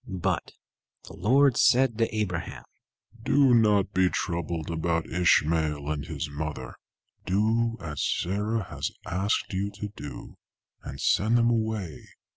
But the Lord said to Abraham, "Do not be troubled about Ishmael and his mother. Do as Sarah has asked you to do, and send them away.